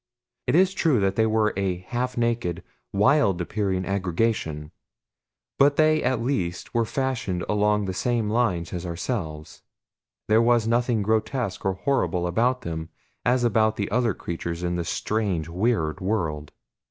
It is true that they were a half naked, wild appearing aggregation; but they at least were fashioned along the same lines as ourselves there was nothing grotesque or horrible about them as about the other creatures in this strange, weird world.